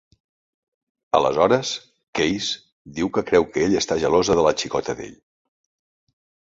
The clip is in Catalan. Aleshores, Keys diu que creu que ella està gelosa de la "xicota" d'ell.